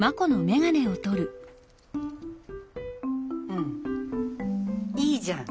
うんいいじゃん。